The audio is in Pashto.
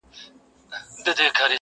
سر خپل ماتوم که د مکتب دروازه ماته کړم،